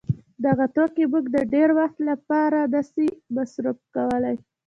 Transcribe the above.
دغه توکي موږ د ډېر وخت له پاره نه سي مصروف کولای.